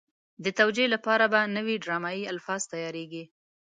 د توجیه لپاره به نوي ډرامایي الفاظ تیارېږي.